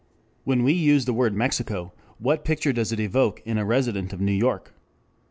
When we use the word "Mexico" what picture does it evoke in a resident of New York?